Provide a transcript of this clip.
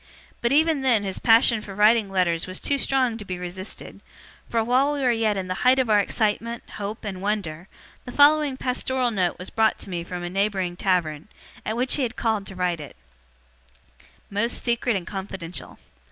But even then his passion for writing letters was too strong to be resisted; for while we were yet in the height of our excitement, hope, and wonder, the following pastoral note was brought to me from a neighbouring tavern, at which he had called to write it: 'Most secret and confidential.